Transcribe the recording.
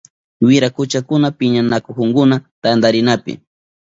Wirakuchakunaka piñanakuhunkuna tantarinapi.